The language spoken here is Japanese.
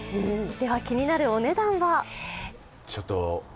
気になるお値段は？